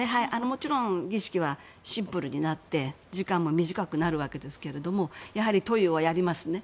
もちろん儀式はシンプルになって時間も短くなるわけですけどもやはり塗油はやりますね。